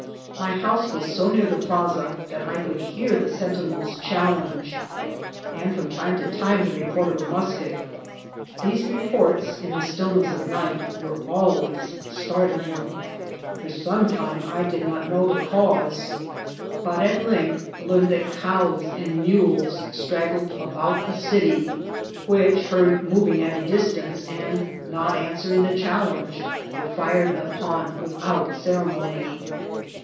My house was so near the plaza that I could bear the sentinels' challenge, and from time to time the report of a nnis ket. These reports, in the stillness of night, were al ways startling. Fat some time I did not know the 4)ause; but at length learned that cows and mules tat INCIDENTS or TRATIL. Straggled about the city, which, heard moriiig at a distance and not answering the challenge, were fired upon without ceremony.